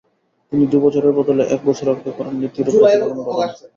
তিনি দু'বছরের বদলে একবছর অপেক্ষা করার নীতিরও প্রতিফলন ঘটান।